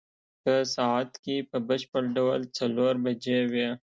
په ساعت کې په بشپړ ډول څلور بجې وې.